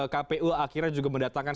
kpu akhirnya juga mendatangkan